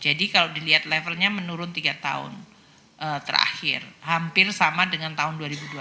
jadi kalau dilihat levelnya menurun tiga tahun terakhir hampir sama dengan tahun dua ribu dua puluh satu